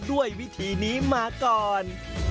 ด้วยวิธีนี้มาก่อน